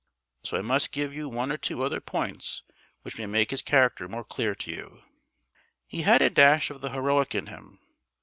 So I must just give you one or two other points which may make his character more clear to you. He had a dash of the heroic in him.